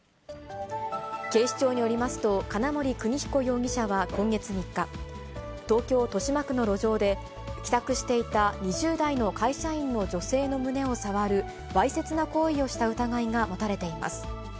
警視庁によりますと、金森邦彦容疑者は今月３日、東京・豊島区の路上で、帰宅していた２０代の会社員の女性の胸を触る、わいせつな行為をした疑いが持たれています。